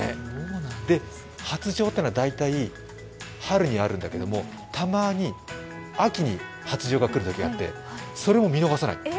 発情というのは大体春にあるんだけれども、たまに秋に発情が来るときがあってそれも見逃さない。